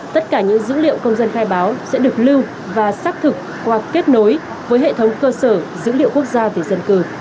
tất cả những dữ liệu công dân khai báo sẽ được lưu và xác thực qua kết nối với hệ thống cơ sở